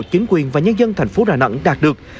chính quyền và nhân dân thành phố đà nẵng đạt được